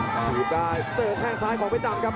สูบได้เจอแค่ซ้ายของเพชรดำครับ